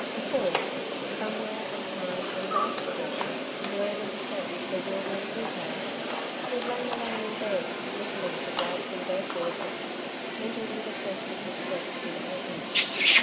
Before, somewhere and time ungraspable, blurred and beset with bewildering details, she had lain alone in bed, listening to gladsome bird voices, mingled with a sense of distressed humanity.